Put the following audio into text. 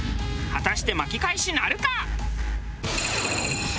果たして巻き返しなるか？